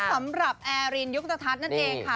สำหรับแอร์รินยุคตทัศน์นั่นเองค่ะ